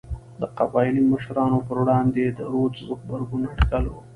د قبایلي مشرانو پر وړاندې د رودز غبرګون اټکل و.